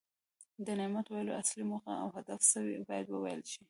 د نعت ویلو اصلي موخه او هدف څه وي باید وویل شي.